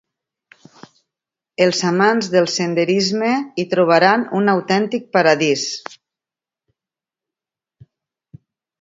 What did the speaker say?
Els amants del senderisme hi trobaran un autèntic paradís.